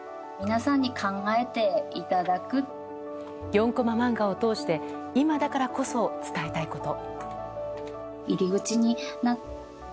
４コマ漫画を通して今だからこそ伝えたいこと。